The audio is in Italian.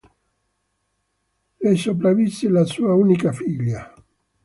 Le sopravvise la sua unica figlia.